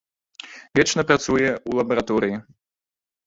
Вечна працуе ў лабараторыі.